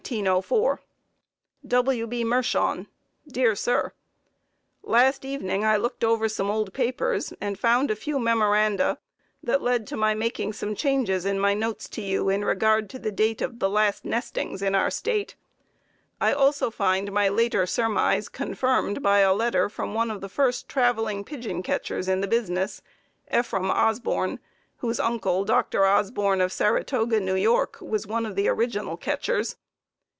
W. B. Mershon: Dear Sir: Last evening I looked over some old papers and found a few memoranda that lead to my making some changes in my notes to you in regard to the date of last nestings in our State. I also find my later surmise confirmed by a letter from one of the first traveling pigeon catchers in the business, Ephraim Osborn, whose uncle, Dr. Osborn of Saratoga, N. Y., was one of the original catchers.